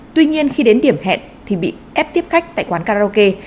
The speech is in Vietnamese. tuy nhiên khi đến điểm hẹn thì bị ép tiếp khách tại quán karaoke